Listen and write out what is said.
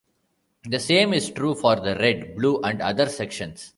The same is true for the red, blue and other sections.